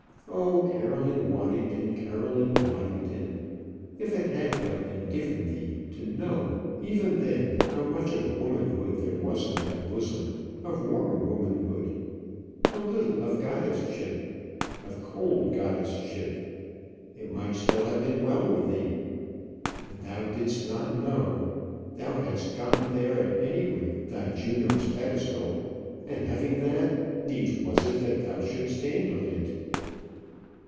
Oh, Caroline Waddington, Caroline Waddington! if it had but been given thee to know, even then, how much of womanhood there was in thy bosom, of warm womanhood, how little of goddess ship, of cold goddess ship, it might still have been well with thee! But thou didst not know. Thou hadst gotten there at any rate thy Juno's pedestal; and having that, needs was that thou shouldst stand on it.